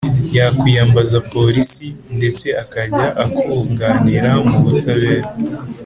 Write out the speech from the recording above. yakwiyambaza polisi, ndetse akajya akunganira mu butabera.